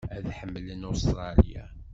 Ad tḥemmlem Ustṛalya.